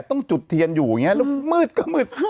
ต้องจุดเทียนอยู่อย่างนี้แล้วมืดก็มืด